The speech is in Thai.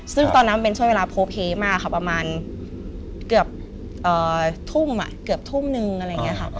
ซึ่งตอนนั้นเป็นช่วงเวลาโพลเฮมากค่ะประมาณเกือบทุ่มเกือบทุ่มนึงอะไรอย่างนี้ค่ะ